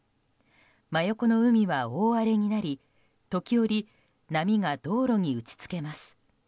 真横の海は大荒れになり時折、波が道路に打ち付けます。